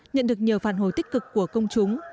nhận được nhiều phản hồi tích cực của công chúng